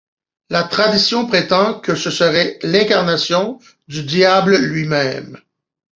La tradition prétend que ce serait l'incarnation du Diable lui-même.